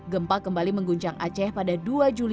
gempa kembali mengguncang aceh pada dua juli